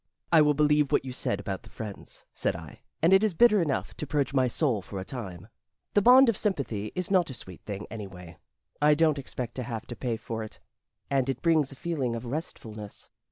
"I will believe what you said about the friends," said I "and it is bitter enough to purge my soul for a time. The bond of sympathy is not a sweet thing, anyway. I don't expect to have to pay for it And it brings a feeling of restfulness.